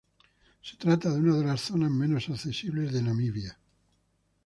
Se trata de una de las zonas menos accesibles de Namibia.